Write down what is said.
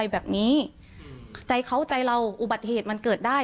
แบบนี้ใจเขาใจเราอุบัติเหตุมันเกิดได้